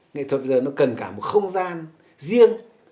nghệ thuật giờ nó cần cả một không gian riêng